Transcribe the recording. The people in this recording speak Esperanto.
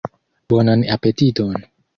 Bonan apetiton!